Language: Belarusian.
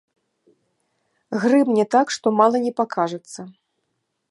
Грымне так, што мала не пакажацца.